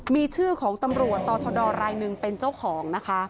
มีชื่อของตำรวจตชรายนึงเป็นเจ้าของ